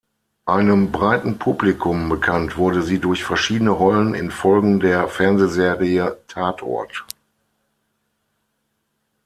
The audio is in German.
Einem breiten Publikum bekannt wurde sie durch verschiedene Rollen in Folgen der Fernsehreihe "Tatort".